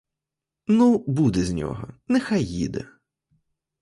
Ну, буде з нього, нехай їде.